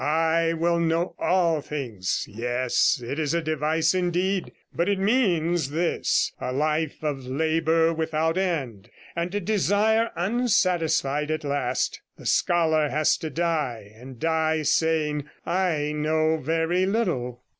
I will know all things; yes, it is a device indeed. But it means this a life of labour without end, and a desire unsatisfied at last. The scholar has to die, and die saying, "I know very little!'"